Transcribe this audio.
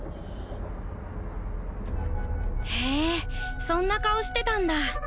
へえそんな顔してたんだ